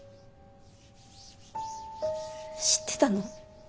知ってたの？